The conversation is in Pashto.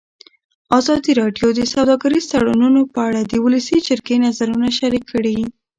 ازادي راډیو د سوداګریز تړونونه په اړه د ولسي جرګې نظرونه شریک کړي.